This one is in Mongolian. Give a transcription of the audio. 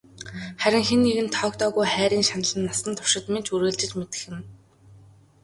Харин хэн нэгэнд тоогдоогүй хайрын шаналан насан туршид минь ч үргэлжилж мэдэх юм.